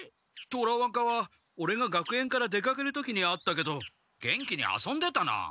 虎若はオレが学園から出かける時に会ったけど元気に遊んでたなあ。